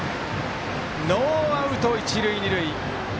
ノーアウト、一塁二塁。